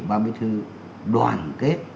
ban bí thư đoàn kết